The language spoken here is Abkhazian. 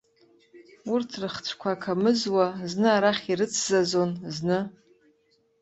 Урҭ рыхцәқәа қамызуа, зны арахь ирыцзазон, зны.